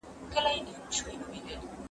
خبري د زده کوونکي له خوا کيږي؟